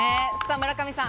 村上さん。